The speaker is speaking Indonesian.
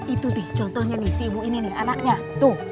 itu nih contohnya nih si ibu ini nih anaknya tuh